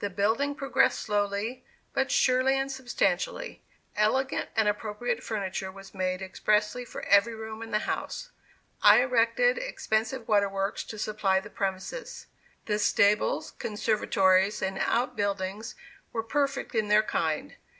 The building progressed slowly, but surely and substantially. Elegant and appropriate furniture was made expressly for every room in the house. I erected expensive water works to supply the premises. The stables, conservatories and out buildings were perfect in their kind.